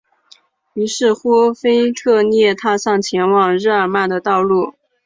于是乎腓特烈踏上前往日尔曼的道路。